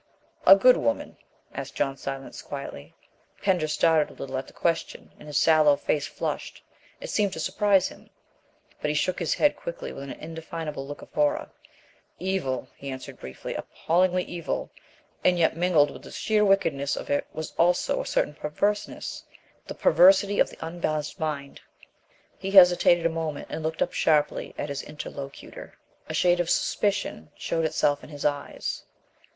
"A good woman?" asked John Silence quietly. Pender started a little at the question and his sallow face flushed; it seemed to surprise him. But he shook his head quickly with an indefinable look of horror. "Evil," he answered briefly, "appallingly evil, and yet mingled with the sheer wickedness of it was also a certain perverseness the perversity of the unbalanced mind." He hesitated a moment and looked up sharply at his interlocutor. A shade of suspicion showed itself in his eyes.